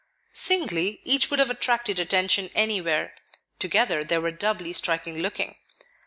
Singly, each would have attracted attention anywhere; together they were doubly striking looking.